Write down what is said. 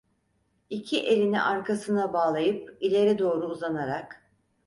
İki elini arkasına bağlayıp ileri doğru uzanarak.